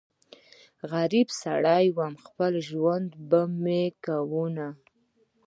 غريب سړی ووم خپل ژوندون به مې کوونه